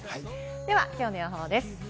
では、きょうの予報です。